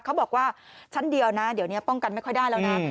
เขาบอกว่าชั้นเดียวนะเดี๋ยวนี้ป้องกันไม่ค่อยได้แล้วนะ